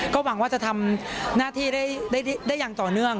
ก็หวังว่าจะทำหน้าที่ได้อย่างต่อเนื่อง